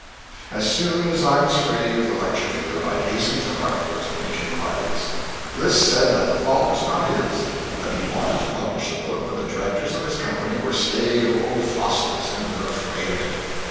As soon as I was free of the lecture field I hastened to Hartford to make inquiries. Bliss said that the fault was not his; that he wanted to publish the book but the directors of his Company were staid old fossils and were afraid of it.